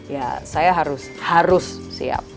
ya saya harus siap